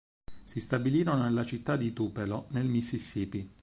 Si stabilirono nella città di Tupelo, nel Mississippi.